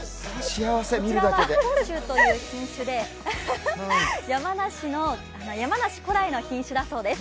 こちらは甲州という品種で山梨古来の品種だそうです。